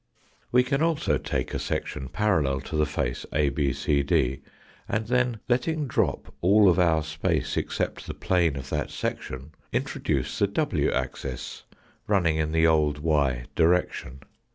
We can also take a section parallel to the face ABCD, and then letting drop all of our space except the plane of that section, introduce the w axis, running in the old y direction.